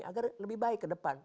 agar lebih baik ke depan